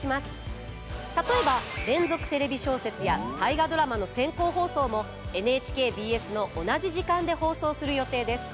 例えば「連続テレビ小説」や「大河ドラマ」の先行放送もＮＨＫＢＳの同じ時間で放送する予定です。